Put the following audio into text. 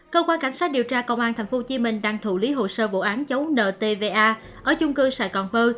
cơ quan cảnh sát điều tra công an tp hcm đang thủ lý hồ sơ vụ án chống ntva ở chung cư sài gòn phơ